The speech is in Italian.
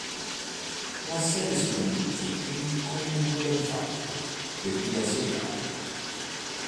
L'assedio si concluse quindi con un nulla di fatto per gli assedianti.